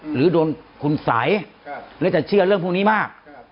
หรือโดนคุณสัยและจะเชื่อเรื่องพวกนี้มาก